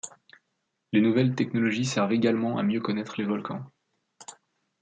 Les nouvelles technologies servent également à mieux connaître les volcans.